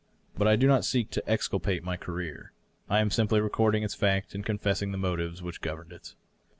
But I do not seek to exculpate my career ; I am simply recording its fact and confessing, the motives which governed it.